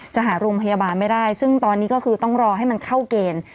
จะหาโรงพยาบาลไม่ได้ซึ่งตอนนี้ก็คือต้องรอให้มันเข้าเกณฑ์